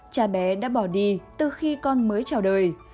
cha bé đã bỏ đi từ khi con mới trào đời